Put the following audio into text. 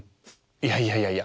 いやいやいやいや。